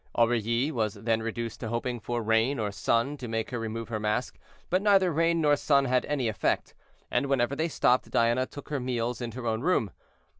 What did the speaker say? Aurilly was then reduced to hoping for rain or sun to make her remove her mask; but neither rain nor sun had any effect, and whenever they stopped Diana took her meals in her own room.